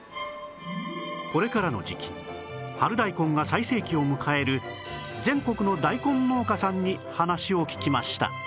これからの時期春大根が最盛期を迎える全国の大根農家さんに話を聞きました